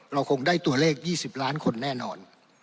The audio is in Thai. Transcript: เราคงได้ตัวเลข๒๐ล้านคนแน่นอน